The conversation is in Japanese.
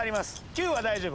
９は大丈夫。